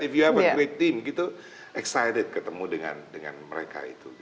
if you have a great team gitu excited ketemu dengan mereka itu